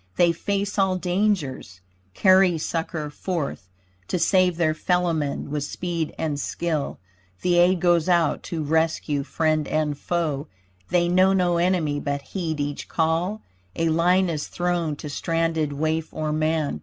They face all dangers carry succor forth To save their fellowmen with speed and skill The aid goes out to rescue friend and foe. They know no enemy but heed each call. A line is thrown to stranded waif or man.